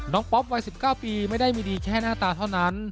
ป๊อปวัย๑๙ปีไม่ได้มีดีแค่หน้าตาเท่านั้น